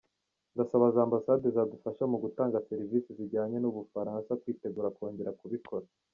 Ndasaba za Ambasade zadufashaga mu gutanga serivise zijyanye n’u Bufaransa kwitegura kongera kubikora.